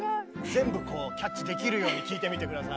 全部こうキャッチできるように聴いてみて下さい。